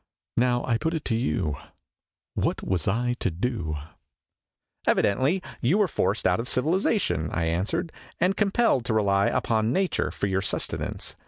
Now, I put it to you, what was I to do ?' "Evidently, you were forced out of civilization," I answered, "and compelled to rely upon nature for your sustenance.